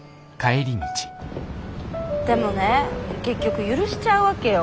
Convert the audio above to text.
でもね結局許しちゃうわけよ。